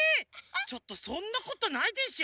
ちょっとそんなことないでしょう？